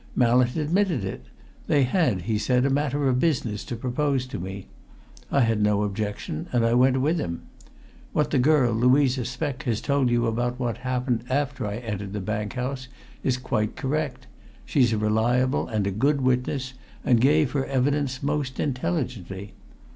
Mallett admitted it they had, he said, a matter of business to propose to me. I had no objection and I went with him. What the girl, Louisa Speck, has told you about what happened after I entered the Bank House is quite correct she's a reliable and a good witness and gave her evidence most intelligently.